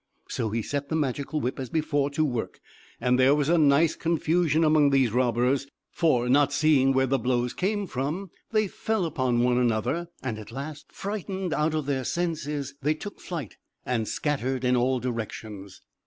So he set the Magical Whip, as before, to work; and there was a nice confusion among these robbers, for not seeing where the blows came from they fell upon one another; and at last, frightened out of their senses, they took flight, and scattered in all directions.